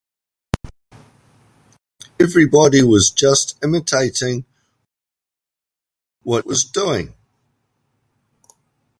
Everybody was just imitating what everybody else was doing.